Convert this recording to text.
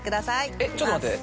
えっちょっと待って。